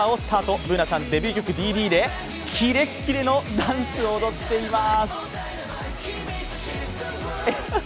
Ｂｏｏｎａちゃん、デビュー曲「Ｄ．Ｄ．」でキレッキレのダンスを踊っています！